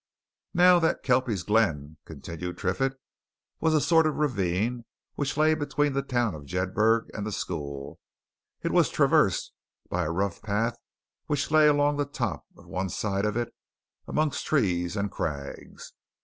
"Now, that Kelpies' Glen," continued Triffitt, "was a sort of ravine which lay between the town of Jedburgh and the school. It was traversed by a rough path which lay along the top of one side of it, amongst trees and crags.